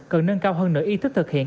cần nâng cao hơn nợ ý thức thực hiện